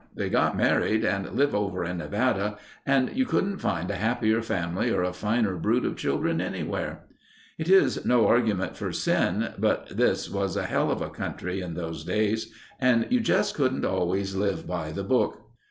They got married and live over in Nevada and you couldn't find a happier family or a finer brood of children anywhere. "It is no argument for sin, but this was a hell of a country in those days and you just couldn't always live by the Book."